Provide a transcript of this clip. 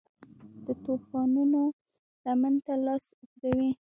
د توپانونو لمن ته لاس اوږدوي